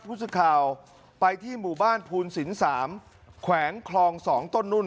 รู้สึกข่าวไปที่หมู่บ้านพูนสินสามแขวงคลองสองต้นนู่น